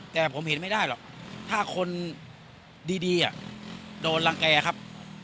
แต่ผมเห็นไม่ได้หรอกถ้าคนดีโดนรังแก่ครับ